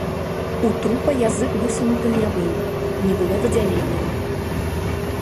У трупа язык высунутым не быў, не было выдзяленняў.